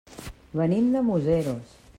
Venim de Museros.